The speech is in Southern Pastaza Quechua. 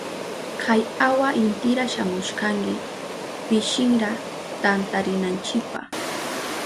Kan awa intira shamushkanki pishinra tantarinanchipa.